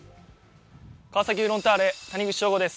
川崎フロンターレ、谷口彰悟です。